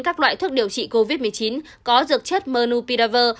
các loại thuốc điều trị covid một mươi chín có dược chất monopiravir